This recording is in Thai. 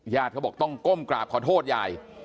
เขาบอกต้องก้มกราบขอโทษยาย